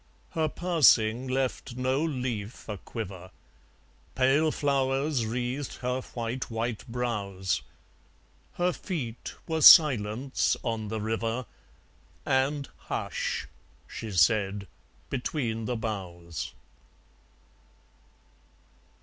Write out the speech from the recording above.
Her passing left no leaf a quiver. Pale flowers wreathed her white, white brows. Her feet were silence on the river; And "Hush!" she said, between the boughs.